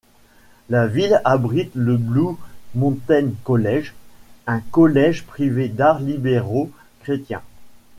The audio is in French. La ville abrite le Blue Mountain College, un collège privé d'arts libéraux chrétiens.